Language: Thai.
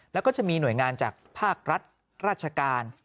แล้วก็จะมีหน่วยงานจากภาครัฐราชการ